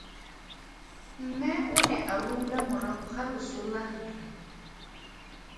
Mme o ne a roula morago ga loso la rre.